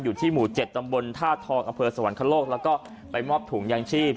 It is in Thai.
อยู่ที่หมู่๗ตำบลท่าทองอำเภอสวรรคโลกแล้วก็ไปมอบถุงยางชีพ